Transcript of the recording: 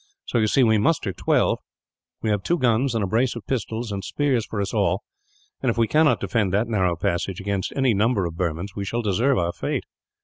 So you see, we muster twelve. We have two guns, and a brace of pistols, and spears for us all; and if we cannot defend that narrow passage, against any number of Burmans, we shall deserve our fate.